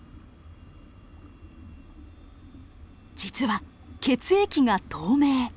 実は血液が透明。